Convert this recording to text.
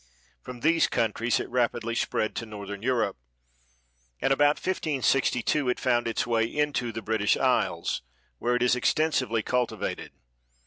From these countries it rapidly spread to northern Europe, and about 1562 it found its way into the British Isles, where it is extensively cultivated.